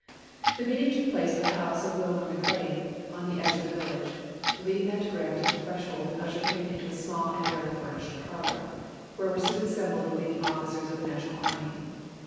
The meeting took place at the house of Wilmer McLean, in the edge of the village. Lee met Grant at the threshold, and ushered him into a small and barely furnished parlor, where were soon assembled the leading officers of the National army.